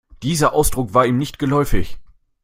Dieser Ausdruck war ihr nicht geläufig.